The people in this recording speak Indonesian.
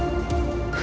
jaga dewa badara